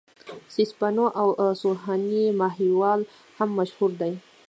سسي پنو او سوهني ماهيوال هم مشهور دي.